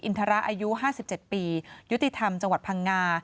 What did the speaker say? ทระอายุ๕๗ปียุติธรรมจังหวัดพังงา